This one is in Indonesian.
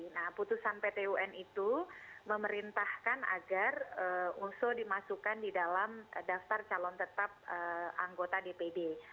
nah putusan pt un itu memerintahkan agar oso dimasukkan di dalam daftar calon tetap anggota dpd